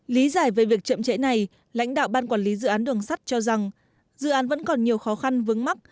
lý giải về việc chậm trễ này lãnh đạo ban quản lý dự án đường sắt cho rằng dự án vẫn còn nhiều khó khăn vướng mắt